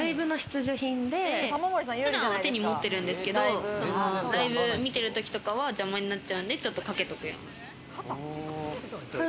普段は手に持ってるんですけど、ライブ見てるときとかは邪魔になっちゃうんで、ちょっとかけとける。